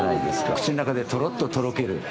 口の中でとろっととろける。